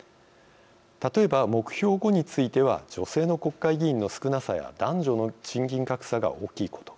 例えば目標５については女性の国会議員の少なさや男女の賃金格差が大きいこと。